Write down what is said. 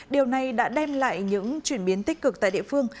điều này đã đem lại những chuyển biến tích cực tại địa phương